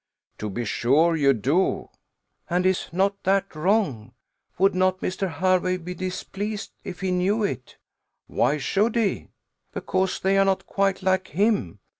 "To be sure you do." "And is not that wrong? Would not Mr. Hervey be displeased if he knew it?" "Why should he?" "Because they are not quite like him.